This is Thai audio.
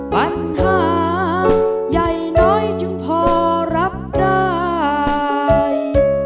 ปัญหาใหญ่น้อยจึงพอรับได้